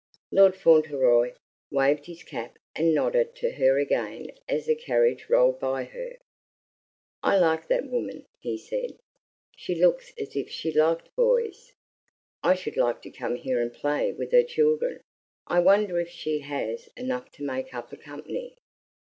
Lord Fauntleroy waved his cap and nodded to her again as the carriage rolled by her. "I like that woman," he said. "She looks as if she liked boys. I should like to come here and play with her children. I wonder if she has enough to make up a company?"